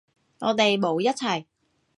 我哋冇一齊